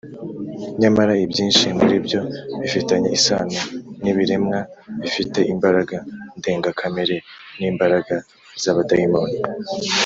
Nyamara ibyinshi muri byo bifitanye isano n ibiremwa bifite imbaraga ndengakamere n imbaraga z abadayimoni